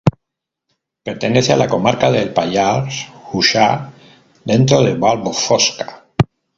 Pertenece a la comarca del Pallars Jussá, dentro de Vall Fosca.